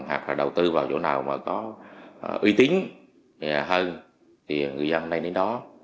hoặc là đầu tư vào chỗ nào mà có uy tín hơn thì người dân nên đến đó